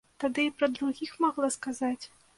Тады і пра другіх магла сказаць?